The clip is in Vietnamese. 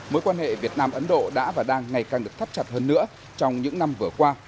mối quan hệ việt nam ấn độ đã và đang ngày càng được thắt chặt hơn nữa trong những năm vừa qua